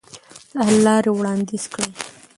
د حل لارې وړاندیز کړئ.